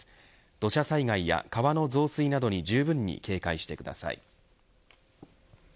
土砂災害や川の増水などにじゅうぶんに警戒してください。